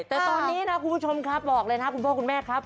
แต่ตอนนี้นะคุณผู้ชมครับบอกเลยนะคุณพ่อคุณแม่ครับ